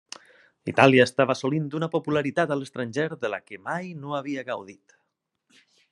Itàlia estava assolint una popularitat a l'estranger de la que mai no havia gaudit.